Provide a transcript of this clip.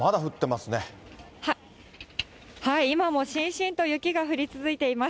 今もしんしんと雪が降り続いています。